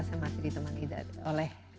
saya masih ditemani oleh